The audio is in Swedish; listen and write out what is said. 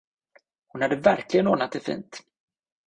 Hon hade verkligen ordnat det fint.